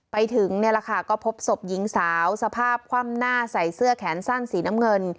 ไปถึงนี่แหละค่ะก็พบศพหญิงสาวสภาพคว่ำหน้าใส่เสื้อแขนสั้นสีน้ำเงิน